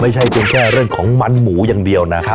ใช่แล้วก็ไม่ขายเลย